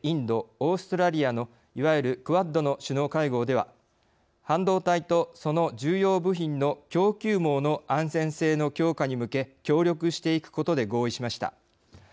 オーストラリアのいわゆるクアッドの首脳会合では半導体とその重要部品の供給網の安全性の強化に向け協力していくことで合意しました。